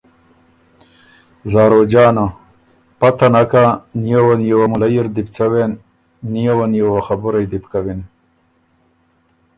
زاروجانه: پته نکا، نیووه نیووه مُلئ اِر دی بو څوېن، نیووه نیووه خبُرئ دی بو کوِن۔